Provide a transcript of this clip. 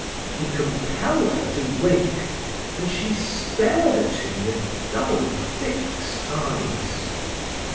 He compelled her to wake, and she stared at him with dull fixed eyes.